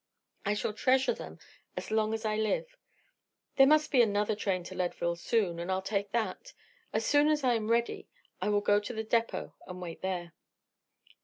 I shall treasure them as long as I live. There must be another train to Leadville soon, and I'll take that. As soon as I am ready I will go to the depot and wait there."